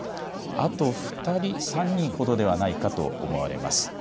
あと２人、３人ほどではないかと思われます。